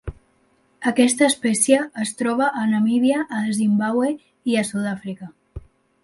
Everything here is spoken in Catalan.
Aquesta espècie es troba a Namíbia, a Zimbàbue i a Sud-àfrica.